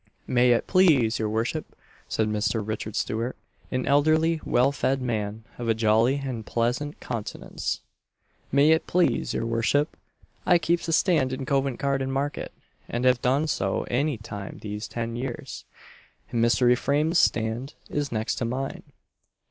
[Illustration: PIG WIT.] "May it please your worship," said Mr. Richard Stewart an elderly, well fed man, of a jolly and pleasant countenance "May it please your worship, I keeps a stand in Covent garden Market, and have done so any time these ten years; and Mr. Ephraim's stand is next to mine.